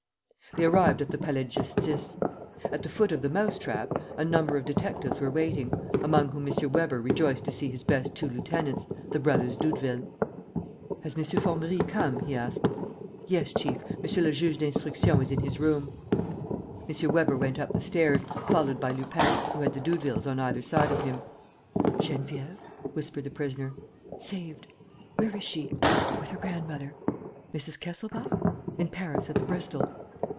They arrived at the Palais de Justice. At the foot of the "mouse trap," a number of detectives were waiting, among whom M. Weber rejoiced to see his best two lieutenants, the brothers Doudeville. "Has M. Formerie come?" he asked. "Yes, chief, Monsieur le Juge d'Instruction is in his room." M. Weber went up the stairs, followed by Lupin, who had the Doudevilles on either side of him. "Geneviève?" whispered the prisoner. "Saved. ..." "Where is she?" "With her grandmother." "Mrs. Kesselbach?" "In Paris, at the Bristol."